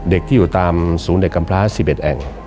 เด็กที่อยู่ตามศูนย์เด็กกำพลา๑๑แห่ง